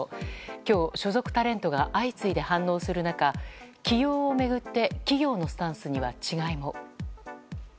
今日、所属タレントが相次いで反応する中起用を巡って企業のスタンスには、違いも。